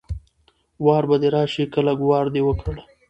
وار به دې راشي که لږ وار دې وکړ